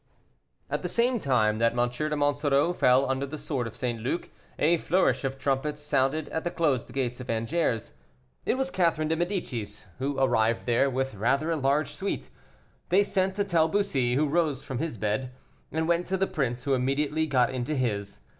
At the same time that M. de Monsoreau fell under the sword of St. Luc, a flourish of trumpets sounded at the closed gates of Angers. It was Catherine de Medicis, who arrived there with rather a large suite. They sent to tell Bussy, who rose from his bed, and went to the prince, who immediately got into his.